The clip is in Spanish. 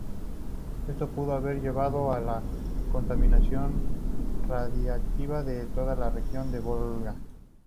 Esto pudo haber llevado a la contaminación radiactiva de toda la región del Volga.